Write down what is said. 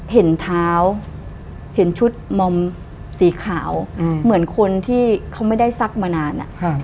เห็นเท้าเห็นชุดมอมสีขาวเหมือนคนที่เขาไม่ได้ซักมานาน